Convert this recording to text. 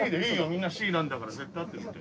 みんな「Ｃ」なんだから絶対合ってるって。